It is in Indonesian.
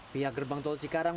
pihak gerbang tol cikarang